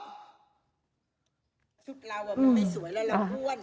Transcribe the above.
สุดเรามันไม่สวยแล้วเราอ้วน